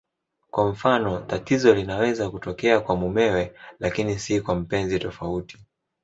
Kwa mfano, tatizo linaweza kutokea kwa mumewe lakini si kwa mpenzi tofauti.